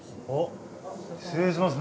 失礼します